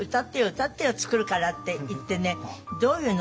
歌ってよ作るから」って言ってね「どういうの？」